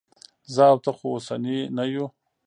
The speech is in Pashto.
زه او ته خو اوسني نه یو.